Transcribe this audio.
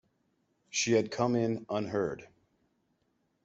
She had come in unheard.